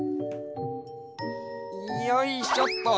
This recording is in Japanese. よいしょっと！